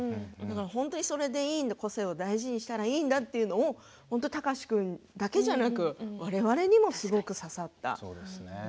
本当に、それでいいんだ個性を大事にしたらいいんだというの貴司君だけじゃなく我々にもすごく刺さった。